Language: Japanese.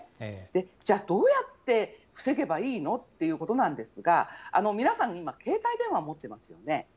じゃあ、どうやって防げばいいのっていうことなんですが、皆さん、今、携帯電話持っていますよね。